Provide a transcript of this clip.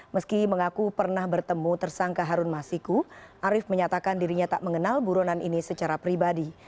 meski mengaku pernah bertemu tersangka harun masiku arief menyatakan dirinya tak mengenal buronan ini secara pribadi